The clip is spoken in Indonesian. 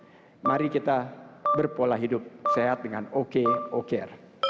jadi mari kita berpola hidup sehat dengan ok okr